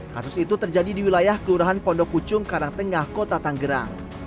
kasus itu terjadi di wilayah kelurahan pondok pucung karangtengah kota tanggerang